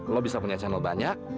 lo bisa punya channel banyak